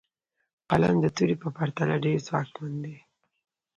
قلم د تورې په پرتله ډېر ځواکمن دی.